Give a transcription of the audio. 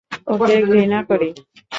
ওকে ঘৃণা করি।